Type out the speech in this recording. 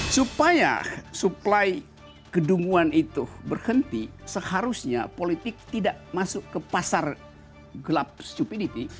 supaya supply kedunguan itu berhenti seharusnya politik tidak masuk ke pasar gelap stupidity